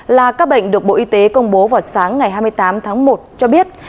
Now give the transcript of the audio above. là các bệnh được bộ y tế công bố vào sáng ngày hai mươi tám tháng một cho biết